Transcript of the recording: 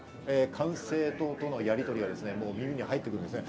管制塔とのやりとりが耳に入ってくるんですね。